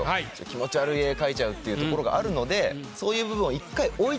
気持ち悪い絵描いちゃうっていうところがあるのでそういう部分を。